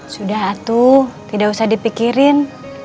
sudah atu tidak usah dipikirin